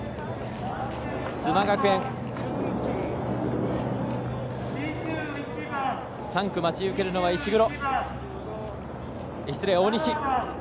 須磨学園、３区待ち受けるのは大西。